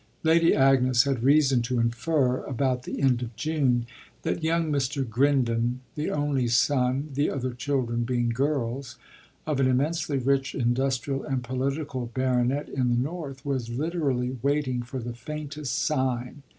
Lady Agnes had reason to infer, about the end of June, that young Mr. Grindon, the only son the other children being girls of an immensely rich industrial and political baronet in the north, was literally waiting for the faintest sign.